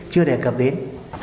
chưa đề cập đến